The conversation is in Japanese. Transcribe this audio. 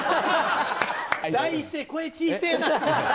第一声、声、ちいせえな。